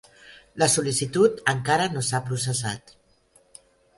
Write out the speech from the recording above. La sol·licitud encara no s'ha processat.